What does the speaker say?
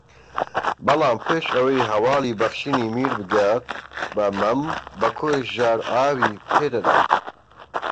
بەڵام پێش ئەوەی ھەواڵی بەخشینی میر بگات بە مەم بەکۆ ژارئاوی پێدەدات